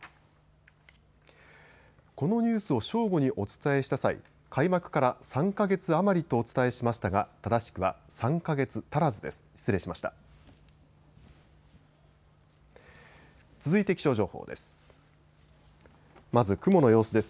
このニュースを正午にお伝えした際、開幕から３か月余りとお伝えしましたが、正しくは３か月足らずです。